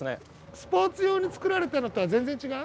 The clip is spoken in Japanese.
スポーツ用に作られたのとは全然違う？